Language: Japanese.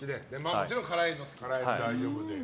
もちろん辛いのも好きで。